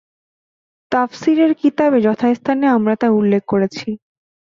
তাফসীরের কিতাবে যথাস্থানে আমরা তা উল্লেখ করেছি।